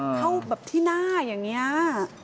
เข้าแบบที่หน้าอย่างนี้